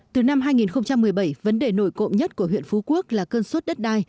từ năm hai nghìn một mươi bảy vấn đề nổi cộng nhất của huyện phú quốc là cơn suốt đất đai